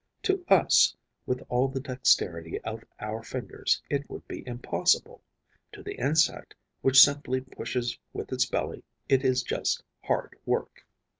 To us, with all the dexterity of our fingers, it would be impossible; to the insect, which simply pushes with its belly, it is just hard work.